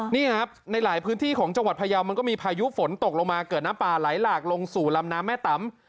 นี่ครับในหลายพื้นที่ของจังหวัดพยาวมันก็มีพายุฝนตกลงมาเกิดน้ำป่าไหลหลากลงสู่ลำน้ำแม่ตำ